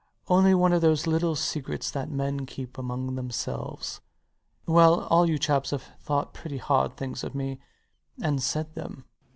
Only one of those little secrets that men keep among themselves. Well, all you chaps have thought pretty hard things of me, and said them.